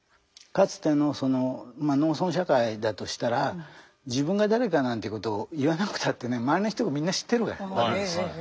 かつてのその農村社会だとしたら自分が誰かなんていうことを言わなくたってね周りの人がみんな知ってるわけですよ。